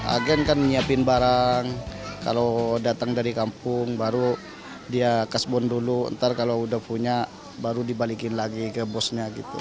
agen kan nyiapin barang kalau datang dari kampung baru dia kasbon dulu ntar kalau udah punya baru dibalikin lagi ke bosnya gitu